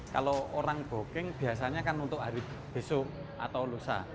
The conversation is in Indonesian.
kalau orang booking biasanya kan untuk hari besok atau lusa